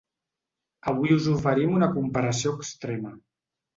Avui us oferim una comparació extrema.